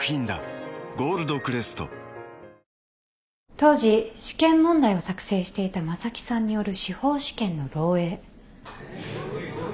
当時試験問題を作成していた正木さんによる司法試験の漏えい。